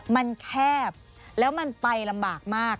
มันแคบแล้วมันไปลำบากมาก